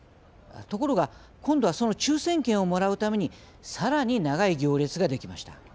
ところが今度はその抽せん券をもらうためにさらに長い行列ができました。